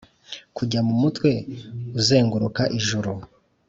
kujya mu mutwe uzenguruka ijuru,